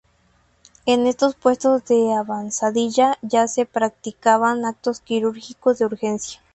En estos puestos de avanzadilla ya se practicaban actos quirúrgicos de urgencia.